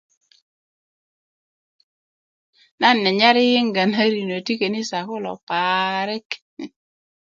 nan nyanysr yiyiŋga na rinö ti kanida kulo paaarik